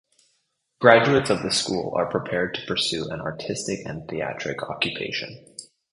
Graduates of the school are prepared to pursue an artistic and theatric occupation.